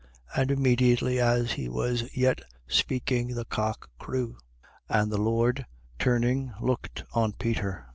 And immediately, as he was yet speaking, the cock crew. 22:61. And the Lord turning looked on Peter.